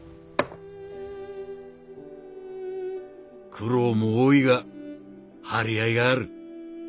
「苦労も多いが張り合いがある。